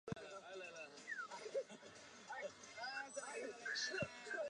一路超冷才对